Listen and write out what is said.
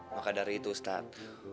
maka dari itu ustaz